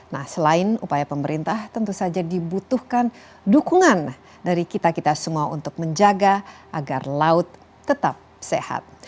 nah selain upaya pemerintah tentu saja dibutuhkan dukungan dari kita kita semua untuk menjaga agar laut tetap sehat